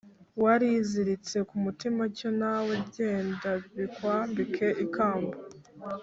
wariziritse ku mutima cyo nawe genda bikwambike ikamba